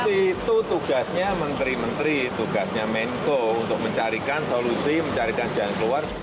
itu tugasnya menteri menteri tugasnya menko untuk mencarikan solusi mencarikan jalan keluar